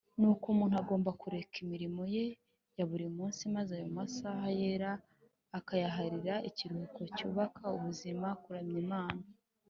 niko umuntu agomba kureka imirimo ye ya buri munsi maze ayo masaha yera akayaharira ikiruhuko cyubaka ubuzima, kuramya Imana,